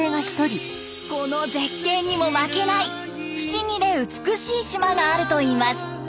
この絶景にも負けない不思議で美しい島があるといいます。